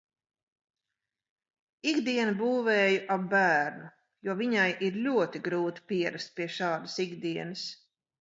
Ikdienu būvēju ap bērnu, jo viņai ir ļoti grūti pierast pie šādas ikdienas.